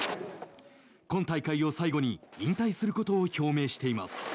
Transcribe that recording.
今大会を最後に引退することを表明しています。